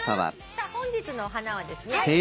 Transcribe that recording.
さあ本日のお花はですね